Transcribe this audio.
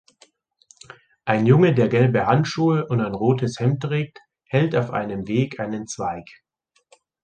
Ein Junge, der gelbe Handschuhe und ein rotes Hemd trägt, hält auf einem Weg einen Zweig.